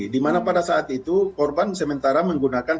di mana pada saat itu korban sementara menggunakan